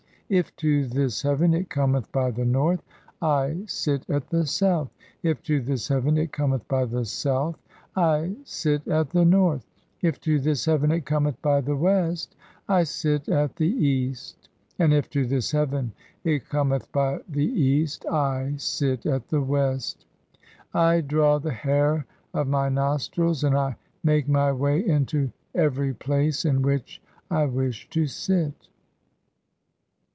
If to this heaven it cometh by the north, "I sit at the south ; if to this heaven (7) it cometh by the south, "I sit at the north ; if to this heaven it cometh by the west, . "I sit at the east ; and if to this heaven it cometh by the east, "(8) I sit at the west. I draw the hair of my nostrils, and I "make my way into every place in which I wish to sit."